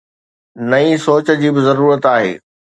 نئين سوچ جي به ضرورت آهي.